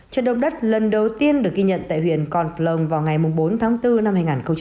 trận động đất lần đầu tiên được ghi nhận tại huyện con plong vào ngày bốn tháng bốn năm hai nghìn hai mươi